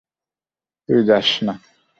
তুই যাস না।